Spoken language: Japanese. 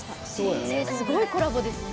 すごいコラボですね。